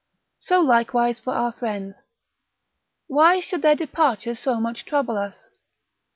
So likewise for our friends, why should their departure so much trouble us?